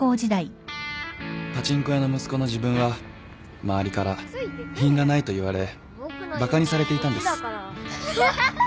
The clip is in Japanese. パチンコ屋の息子の自分は周りから品がないと言われバカにされていたんです。